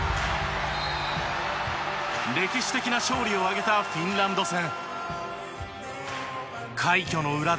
歴史的な勝利を挙げたフィンランド戦。